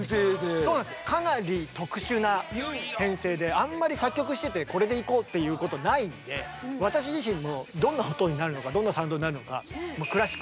あんまり作曲しててこれでいこうっていうことないんで私自身もどんな音になるのかどんなサウンドになるのか。